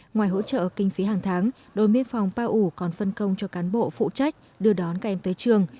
ngoài hỗ trợ kinh phí hàng tháng đồn biên phòng pa u còn phân công cho cán bộ phụ trách đưa đón các em tới trường